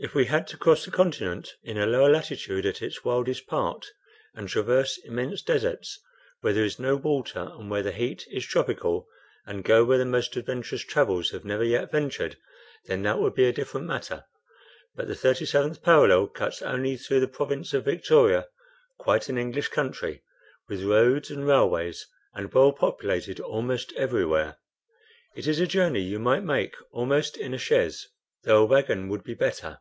If we had to cross the continent in a lower latitude, at its wildest part, and traverse immense deserts, where there is no water and where the heat is tropical, and go where the most adventurous travelers have never yet ventured, that would be a different matter. But the 37th parallel cuts only through the province of Victoria, quite an English country, with roads and railways, and well populated almost everywhere. It is a journey you might make, almost, in a chaise, though a wagon would be better.